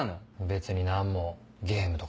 別に何もゲームとか。